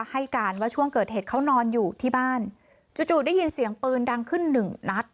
ให้การว่าช่วงเกิดเหตุเขานอนอยู่ที่บ้านจู่ได้ยินเสียงปืนดังขึ้นหนึ่งนัด